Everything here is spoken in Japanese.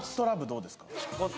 どうですか？